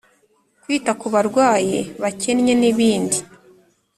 Kwita ku barwayi bakennye n ibindi